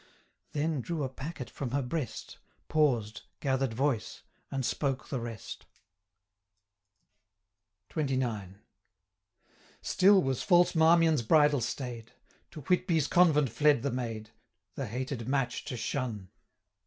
Then drew a packet from her breast, Paused, gather'd voice, and spoke the rest. 540 XXIX. 'Still was false Marmion's bridal staid; To Whitby's convent fled the maid, The hated match to shun.